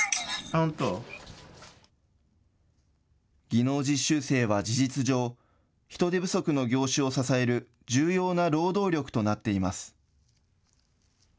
技能実習生は事実上、人手不足の業種を支える重要な労働力となっています。